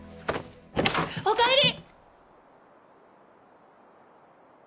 おかえり！